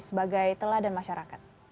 sebagai telah dan masyarakat